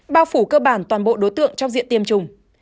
bao phủ cơ bản toàn bộ đối tượng trong diện tiêm chủng